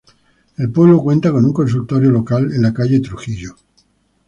El pueblo cuenta con un consultorio local en la calle Trujillo.